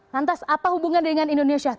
lantas apa hubungan dengan indonesia